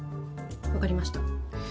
分かりました。